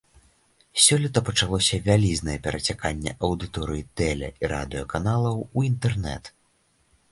Сёлета пачалося вялізнае перацяканне аўдыторыі тэле- і радыёканалаў у інтэрнэт.